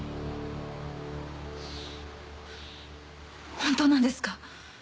本当なんですか？